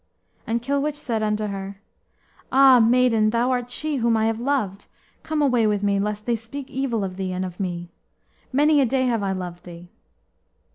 And Kilwich said unto her, "Ah! maiden, thou art she whom I have loved; come away with me, lest they speak evil of thee and of me. Many a day have I loved thee."